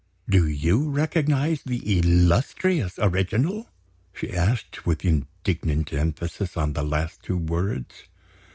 "Do you recognize the illustrious original?" she asked, with indignant emphasis on the last two words.